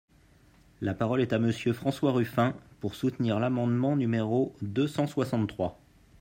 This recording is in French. La parole est à Monsieur François Ruffin, pour soutenir l’amendement numéro deux cent soixante-trois.